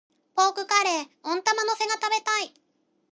ポークカレー、温玉乗せが食べたい。